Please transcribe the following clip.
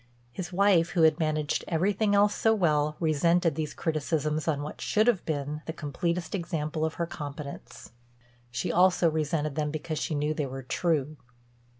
His wife, who had managed everything else so well, resented these criticisms on what should have been the completest example of her competence. She also resented them because she knew they were true.